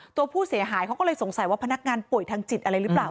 ตัวผู้เสียหายเขาก็เลยสงสัยว่าพนักงานป่วยทางจิตอะไรหรือเปล่า